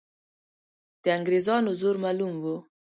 د انګریزانو زور معلوم وو.